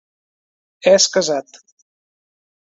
És casat.